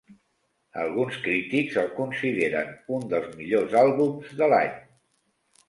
Alguns crítics el consideren un dels millors àlbums de l'any.